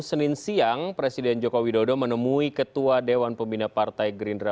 senin siang presiden joko widodo menemui ketua dewan pembina partai gerindra